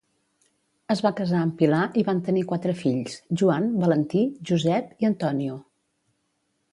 Es va casar amb Pilar, i van tenir quatre fills, Joan, Valentí, Josep i Antonio.